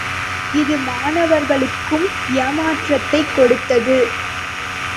இது மாணவர்களுக்கும் ஏமாற்றத்தைக் கொடுத்தது.